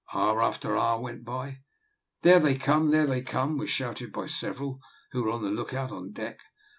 Hour after hour went by. "There they come, there they come!" was shouted by several who were on the lookout on deck.